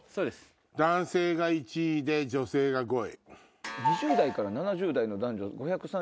男性が１位で女性が５位。